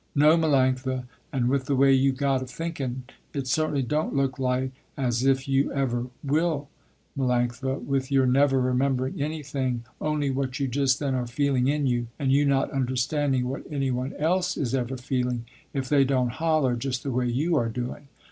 "No, Melanctha, and with the way you got of thinking, it certainly don't look like as if you ever will Melanctha, with your never remembering anything only what you just then are feeling in you, and you not understanding what any one else is ever feeling, if they don't holler just the way you are doing.